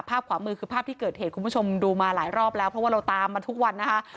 ขวามือคือภาพที่เกิดเหตุคุณผู้ชมดูมาหลายรอบแล้วเพราะว่าเราตามมาทุกวันนะคะ